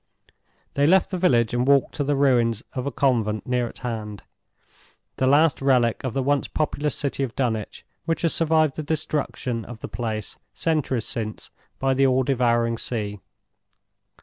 They left the village and walked to the ruins of a convent near at hand—the last relic of the once populous city of Dunwich which has survived the destruction of the place, centuries since, by the all devouring sea.